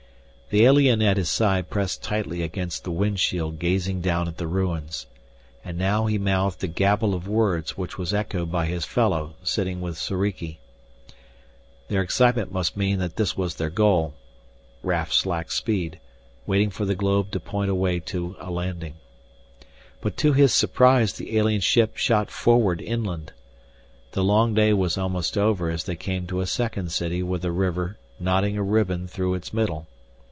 The alien at his side pressed tightly against the windshield gazing down at the ruins. And now he mouthed a gabble of words which was echoed by his fellow sitting with Soriki. Their excitement must mean that this was their goal. Raf slacked speed, waiting for the globe to point a way to a landing. But to his surprise the alien ship shot forward inland. The long day was almost over as they came to a second city with a river knotting a ribbon through its middle.